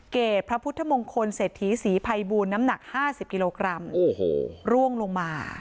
พระพุทธมงคลเศรษฐีศรีภัยบูลน้ำหนัก๕๐กิโลกรัมโอ้โหร่วงลงมา